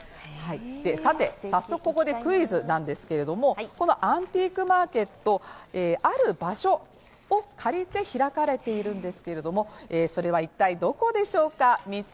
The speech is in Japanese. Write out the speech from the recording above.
さて、早速ここでクイズなんですけれども、このアンティークマーケット、ある場所を借りて開かれているんですけれどもそれは一体どこでしょうか。